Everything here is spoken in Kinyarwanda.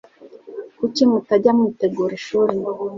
Kuki mutajya mwitegura ishuri?